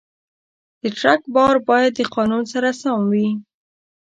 د ټرک بار باید د قانون سره سم وي.